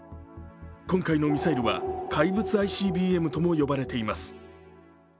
今回のミサイルは怪物ＩＣＢＭとも呼ばれています。